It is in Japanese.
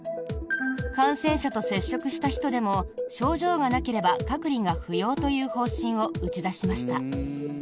感染者と接触した人でも症状がなければ隔離が不要という方針を打ち出しました。